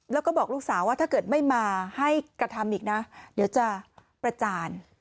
แล้วก็บอกลูกสาวว่าถ้าเกิดไม่มาให้กระทำอีกนะเดี๋ยวจะประจาน